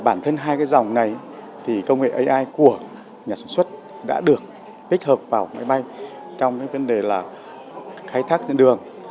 bản thân hai dòng này công nghệ ai của nhà sản xuất đã được tích hợp vào máy bay trong vấn đề khai thác trên đường